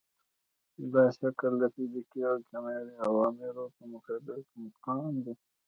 دا شکل د فزیکي او کیمیاوي عواملو په مقابل کې مقاوم دی.